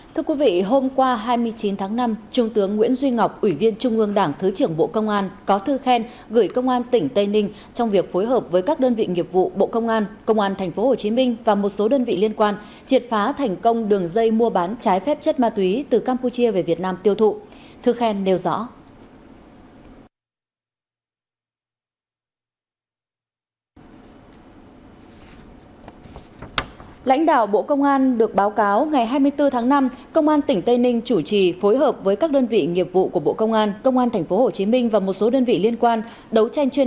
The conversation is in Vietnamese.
thưa quý vị hôm qua hai mươi chín tháng năm trung tướng nguyễn duy ngọc ủy viên trung ương đảng thứ trưởng bộ công an có thư khen gửi công an tỉnh tây ninh trong việc phối hợp với các đơn vị nghiệp vụ bộ công an công an tp hcm và một số đơn vị liên quan triệt phá thành công đường dây mua bán trái phép chất ma túy từ campuchia về việt nam tiêu thụ thư khen nêu rõ